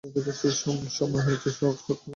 সময় হয়েছে সত্যের অনুরোধে ন্যায়বিচার করবার।